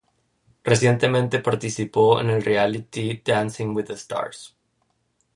Recientemente participó en el reality "Dancing with the stars".